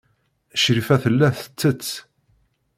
Crifa tella tettett.